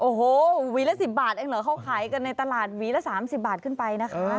โอ้โหหวีละ๑๐บาทเองเหรอเขาขายกันในตลาดหวีละ๓๐บาทขึ้นไปนะคะ